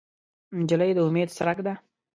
نجلۍ د امید څرک ده.